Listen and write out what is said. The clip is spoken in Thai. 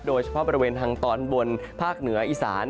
โดยเฉพาะบริเวณทางตอนบนภาคเหนืออีสาน